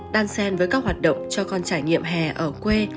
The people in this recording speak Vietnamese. đan sen với các hoạt động cho con trải nghiệm hè ở quê